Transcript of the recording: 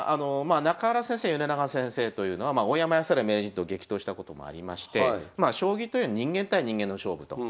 中原先生米長先生というのは大山康晴名人と激闘したこともありましてまあ将棋というのは人間対人間の勝負と。